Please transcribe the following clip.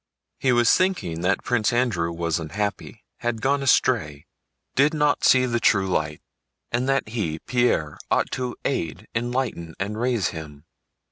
He was thinking that Prince Andrew was unhappy, had gone astray, did not see the true light, and that he, Pierre, ought to aid, enlighten, and raise him.